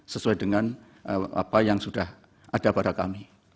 sesuai dengan apa yang sudah ada pada kami